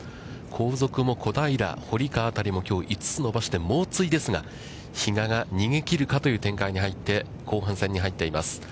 後続も、小平、堀川あたりもきょう、５つ伸ばして猛追ですが、比嘉が逃げきるかという展開に入って、後半戦に入っています。